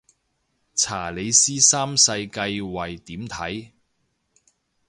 查理斯三世繼位點睇